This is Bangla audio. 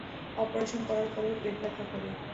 অপারেশন করার পরও পেট ব্যথা করে।